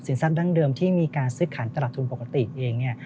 ทรัพย์ดั้งเดิมที่มีการซื้อขันตลาดทุนปกติเองเนี่ย